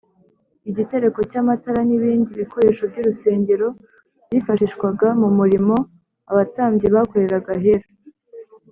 igitereko cy’amatara n’ibindi bikoresho by’urusengero byifashishwaga mu murimo abatambyi bakoreraga ahera,